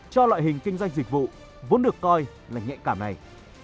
cho loại hình kinh doanh dịch vụ vốn được coi là nhạy cảm này